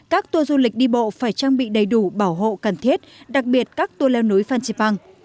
các tour du lịch đi bộ phải trang bị đầy đủ bảo hộ cần thiết đặc biệt các tour leo núi phan xipang